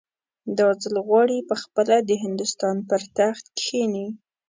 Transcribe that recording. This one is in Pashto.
دا ځل غواړي پخپله د هندوستان پر تخت کښېني.